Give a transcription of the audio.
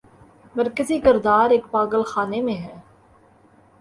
مرکزی کردار ایک پاگل خانے میں ہے۔